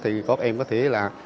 thì các em có thể là